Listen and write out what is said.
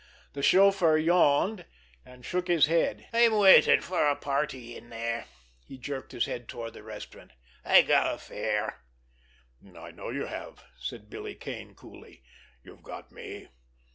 The chauffeur yawned, and shook his head. "I'm waitin' for a party in there." He jerked his hand toward the restaurant. "I got a fare." "I know you have," said Billy Kane coolly. "You've got me."